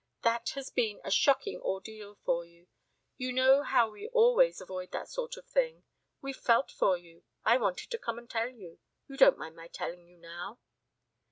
"That has been a shocking ordeal for you. You know how we always avoid that sort of thing. We've felt for you I wanted to come and tell you you don't mind my telling you now?"